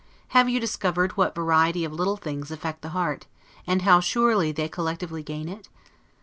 Have you discovered what variety of little things affect the heart, and how surely they collectively gain it?